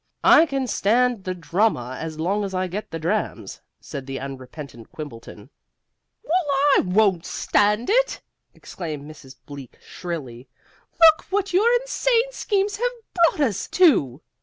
"I can stand the drama as long as I get the drams," said the unrepentant Quimbleton. "Well, I won't stand it!" exclaimed Mrs. Bleak, shrilly. "Look what your insane schemes have brought us to!